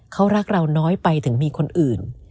เขารักเราน้อยไปถึงมีคนอื่น